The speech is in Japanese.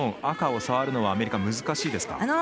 赤を触るのはアメリカ、難しいですか？